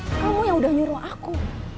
kamu yang udah nyuruh aku